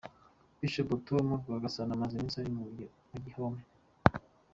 Bishop Tom Rwagasana amaze iminsi ari mu gihome.